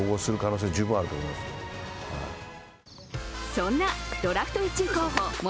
そんなドラフト１位候補森